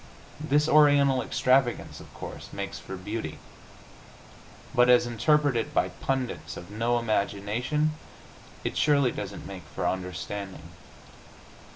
This Oriental extravagance, of course, makes for beauty, but as interpreted by pundits of no imagination it surely doesn't make for understanding.